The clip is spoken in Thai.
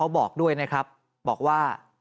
บอกว่า